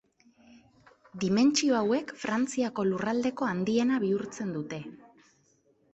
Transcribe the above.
Dimentsio hauek Frantziako lurraldeko handiena bihurtzen dute.